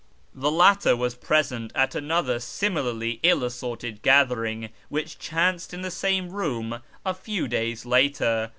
The latter was present at another similarly ill assorted gathering which chanced in the same room a few days later.